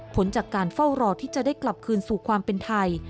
ผลจากการเฝ้ารอที่จะได้กลับคืนสู่ความเป็นไทย